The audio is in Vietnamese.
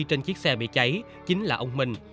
trên chiếc xe bị cháy chính là ông minh